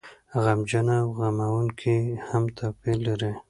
غمجنه او غموونکې هم توپير لري.